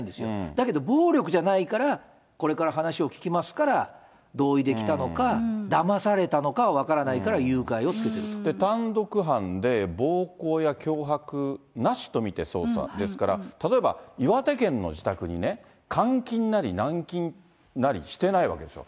だけど暴力じゃないから、これから話を聞きますから、同意できたのか、だまされたのかは分からな単独犯で、暴行や脅迫なしと見て捜査ですから、例えば岩手県の自宅にね、監禁なり、軟禁なりしてないわけですよ。